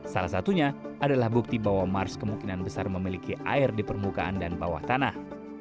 salah satunya adalah bukti bahwa mars kemungkinan besar memiliki air di permukaan dan bawah tanah